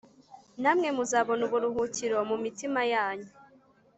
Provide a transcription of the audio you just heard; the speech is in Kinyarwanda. namwe muzabona uburuhukiro mu mitima yanyu